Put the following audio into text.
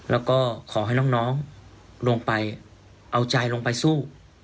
แล้วก็ขอให้น้องลงไปเอาใจลงไปสู้